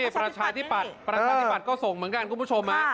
ปรัชญาที่ปัดปรัชญาที่ปัดก็ส่งเหมือนกันคุณผู้ชม